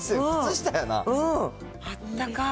あったかい。